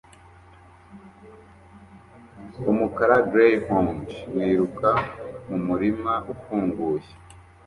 Umukara Greyhound wiruka mumurima ufunguye